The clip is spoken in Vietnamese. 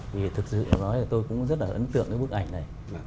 vì thực sự nói là tôi cũng rất là ấn tượng cái bức ảnh này